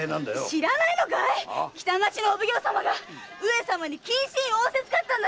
知らないのかい北町のお奉行様が上様に謹慎を仰せつかったんだ！